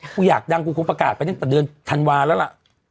กูอยากดังกูคงประกาศไปตั้งแต่เดือนธันวาแล้วล่ะ